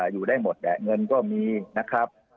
อยู่ได้หมดแหละเงินก็มีนะครับ